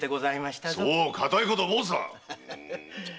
そう固いこと申すな！